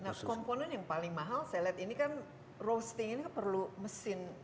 nah komponen yang paling mahal saya lihat ini kan roastingnya perlu mesin